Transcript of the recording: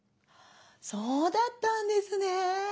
「そうだったんですね。